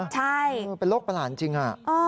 ใช่คือเป็นโรคประหลาดจริงค่ะอ้อ